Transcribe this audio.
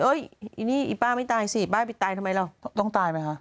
อีนี่อีป้าไม่ตายสิป้าไปตายทำไมเราต้องตายไหมคะ